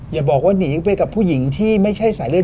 อย่าบอกว่าหนีไปกับผู้หญิงที่ไม่ใช่สายเลือด